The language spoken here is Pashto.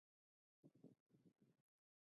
د ننګرهار مالټې څه وخت رسیږي؟